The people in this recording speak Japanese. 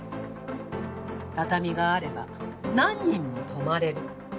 畳があれば何人も泊まれる。